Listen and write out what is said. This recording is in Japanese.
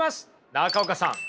中岡さん。